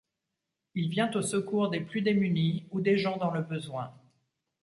Il vient au secours des plus démunis ou des gens dans le besoin.